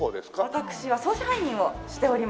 私は総支配人をしております。